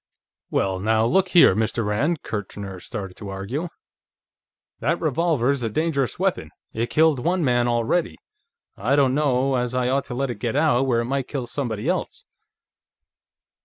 "Well, now, look here, Mr. Rand," Kirchner started to argue, "that revolver's a dangerous weapon. It's killed one man, already. I don't know as I ought to let it get out, where it might kill somebody else."